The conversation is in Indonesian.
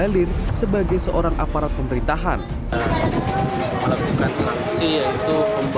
jadi terus terang pemerintah dalam hal ini pemerintah kurang pasir doang